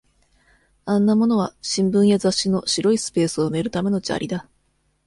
あんな物は、新聞や雑誌の白いスペースを埋めるための砂利だ。